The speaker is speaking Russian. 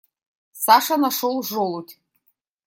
Саша нашел желудь.